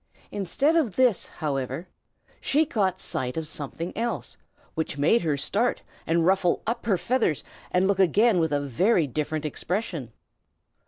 Instead of this, however, she caught sight of something else, which made her start and ruffle up her feathers, and look again with a very different expression.